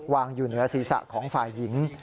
อยู่เหนือศีรษะของฝ่ายหญิง